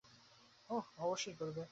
ওহ, অবশ্যই করবে।